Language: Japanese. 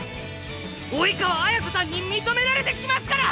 生川綾子さんに認められてきますから！